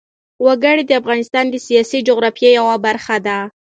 وګړي د افغانستان د سیاسي جغرافیه یوه برخه ده.